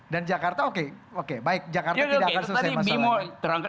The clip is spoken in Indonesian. dan jakarta oke baik jakarta tidak akan selesai masalahnya